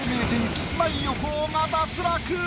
キスマイ・横尾が脱落！